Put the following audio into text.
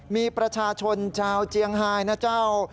มีประชาชนชาวเจียงไฮนะเจ้า